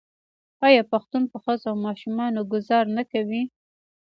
آیا پښتون په ښځو او ماشومانو ګذار نه کوي؟